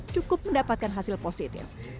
cukup mendapatkan hasil positif